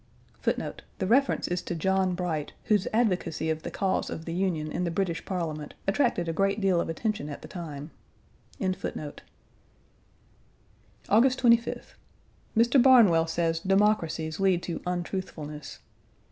1. The reference is to John Bright, whose advocacy of the cause of the Union in the British Parliament attracted a great deal of attention at the time. Page 110 August 25th. Mr. Barnwell says democracies lead to untruthfulness.